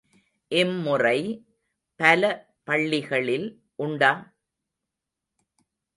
இம்முறை பல பள்ளிகளில் உண்டா?